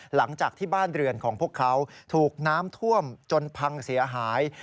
หลังจากที่บ้านเรือนของพวกเขาถูกน้ำท่วมจนพังเสียหาย